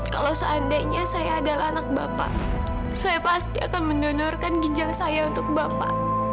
kalau seandainya saya adalah anak bapak saya pasti akan mendonorkan ginjal saya untuk bapak